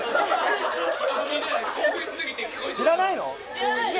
知らないの？